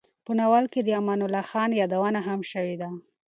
په ناول کې د امان الله خان یادونه هم شوې ده.